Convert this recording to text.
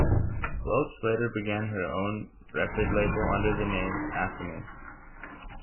Welch later began her own record label under the name Acony.